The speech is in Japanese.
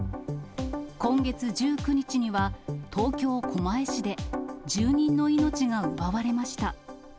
今月１９日には、東京・狛江市で、住人の命が奪われました。